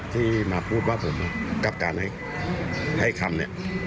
ที่มาพูดว่าผมรับการให้คำเนี่ย